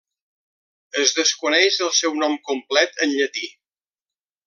Es desconeix el seu nom complet en llatí.